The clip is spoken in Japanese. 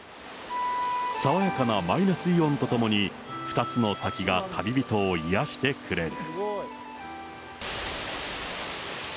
爽やかなマイナスイオンと共に、２つの滝が旅人を癒やしてくれる。